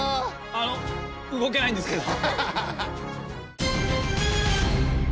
あのうごけないんですけど。